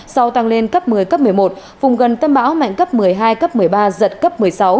sau tăng lên cấp một mươi cấp một mươi một vùng gần tâm bão mạnh cấp một mươi hai cấp một mươi ba giật cấp một mươi sáu